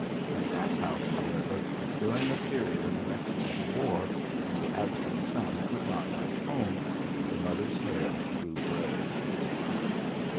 '' At that house, however, during a period of the Mexican "War when the absent son could not write home, the mother's hair grew grey.